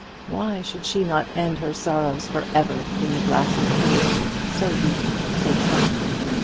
Why should she not end her sorrows for ever in the glassy pool, so deep, so tranquil?